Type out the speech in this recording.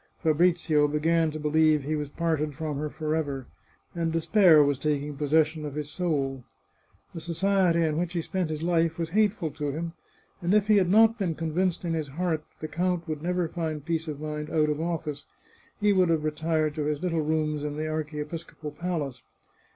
Fabrizio began to believe he was parted from her forever, and despair was taking possession of his soul. The society in which he spent his life was hateful to him, and if he had not been convinced in his heart that the count would never find peace of mind out of office, he would have retired to his little rooms in the archiepiscopal palace.